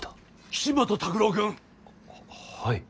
岸本拓朗君。ははい。